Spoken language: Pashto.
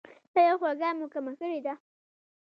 ایا خوږه مو کمه کړې ده؟